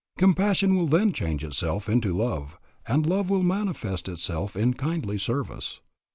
Compassion will then change itself into love, and love will manifest itself in kindly service.